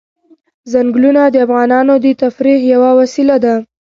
ځنګلونه د افغانانو د تفریح یوه وسیله ده.